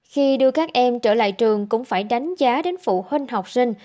khi đưa các em trở lại trường cũng phải đánh giá đến phụ huynh học sinh